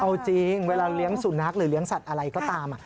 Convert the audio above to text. เอาจริงเวลาเลี้ยงสุนัขหรือเลี้ยงสัตว์อะไรก็ตาม